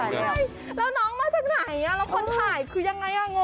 แล้วน้องมาจากไหนแล้วคนถ่ายคือยังไงอ่ะงง